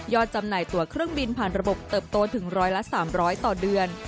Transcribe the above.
จำหน่ายตัวเครื่องบินผ่านระบบเติบโตถึงร้อยละ๓๐๐ต่อเดือน